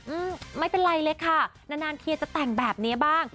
อืมไม่เป็นไรเลยค่ะนานนานเทียจะแต่งแบบนี้บ้าง